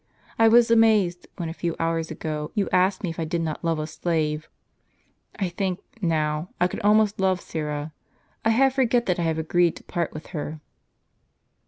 I was amazed, when, a few hours ago, you asked me if I did not love a slave. I think, now, I could almost love Syra. I half regret that I have agreed to part with her."